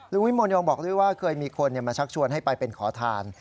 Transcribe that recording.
วิมลยังบอกด้วยว่าเคยมีคนมาชักชวนให้ไปเป็นขอทาน